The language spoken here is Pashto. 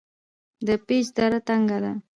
د پیج دره تنګه ده